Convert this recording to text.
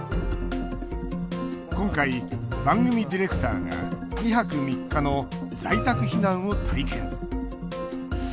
今回、番組ディレクターが２泊３日の在宅避難を体験。